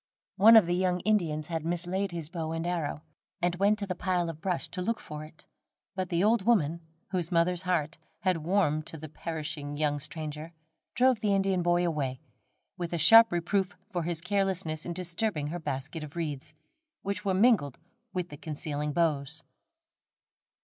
One of the young Indians had mislaid his bow and arrow, and went to the pile of brush to look for it; but the old woman, whose mother's heart had warmed to the perishing young stranger, drove the Indian boy away, with a sharp reproof for his carelessness in disturbing her basket of reeds, which were mingled with the concealing boughs.